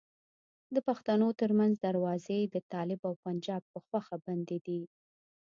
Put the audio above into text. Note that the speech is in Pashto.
د پښتنو ترمنځ دروازې د طالب او پنجاب په خوښه بندي دي.